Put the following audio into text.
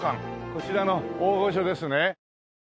こちらの大御所ですね。